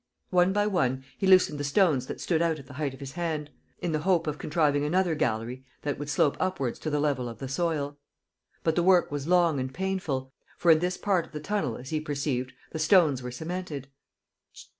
One by one he loosened the stones that stood out at the height of his hand, in the hope of contriving another gallery that would slope upwards to the level of the soil. But the work was long and painful, for in this part of the tunnel, as he perceived the stones were cemented.